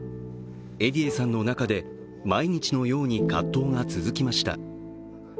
エディエさんの中で毎日のように葛藤が続きました。